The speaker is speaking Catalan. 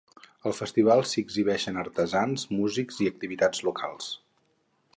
El festival s'hi exhibeixen artesans, músics i activitats locals.